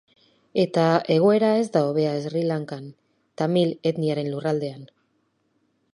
Eta egoera ez da hobea Sri Lankan, tamil etniaren lurraldean.